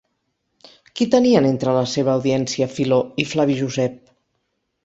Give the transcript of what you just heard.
Qui tenien entre la seva audiència Filó i Flavi Josep?